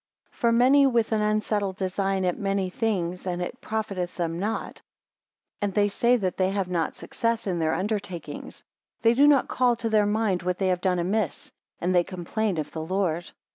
23 For many with an unsettled design at many things, and it profiteth them not; and they say that they have not success in their undertakings. 24 They do not call to their mind what they have done amiss, and they complain of the Lord.